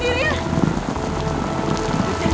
nanti gue bakal jalanin